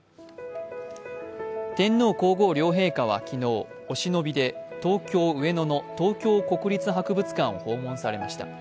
天皇皇后両陛下は昨日、お忍びで東京・上野の東京国立博物館を訪問されました。